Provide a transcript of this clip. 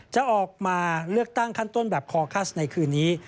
จะออกมาเลือกตั้งขั้นต้นแบบคอคัสในคืนนี้